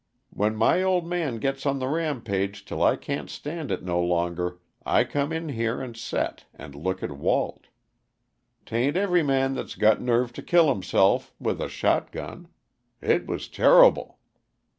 When my old man gets on the rampage till I can't stand it no longer, I come in here and set, and look at Walt. 'T ain't every man that's got nerve to kill himself with a shotgun. It was turrible!